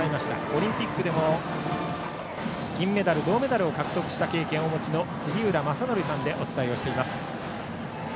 オリンピックでも銀メダル、銅メダルを獲得した経験をお持ちの杉浦正則さんでお伝えしています。